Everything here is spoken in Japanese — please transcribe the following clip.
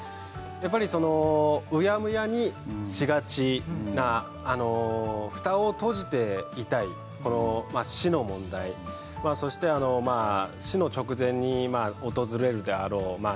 やっぱりそのうやむやにしがちな蓋を閉じていたいこのまあ死の問題そして死の直前に訪れるであろうまあ